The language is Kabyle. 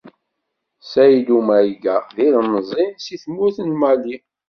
Sayddu Mayga d ilemẓi seg tmurt n Mali.